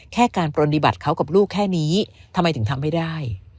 แค่การปฏิบัติเขากับลูกแค่นี้ทำไมถึงทำไม่ได้